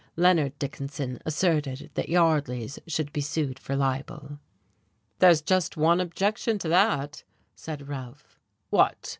Leonard Dickinson asserted that Yardley's should be sued for libel. "There's just one objection to that," said Ralph. "What?"